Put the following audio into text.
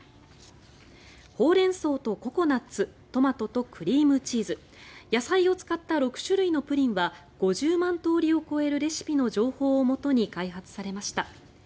ホウレンソウとココナツトマトとクリームチーズ野菜を使った６種類のプリンは５０万通りを超えるレシピの情報をもとに開発されました。